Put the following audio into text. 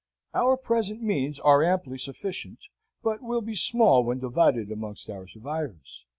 Our present means are amply sufficient, but will be small when divided amongst our survivors.